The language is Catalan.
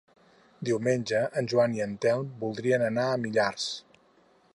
Diumenge en Joan i en Telm voldrien anar a Millars.